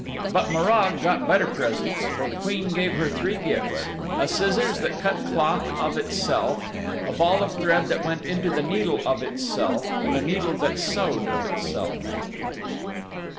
But Morag got better presents, for the Queen gave her three gifts a scissors that cut cloth of itself, a ball of thread that went into the needle of itself, and a needle that sewed of itself.